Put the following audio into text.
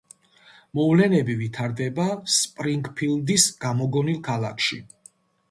მოვლენები ვითარდება სპრინგფილდის გამოგონილ ქალაქში.